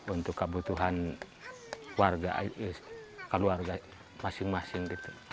untuk kebutuhan keluarga masing masing